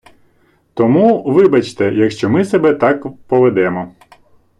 Тому, вибачте, якщо ми себе так поведемо.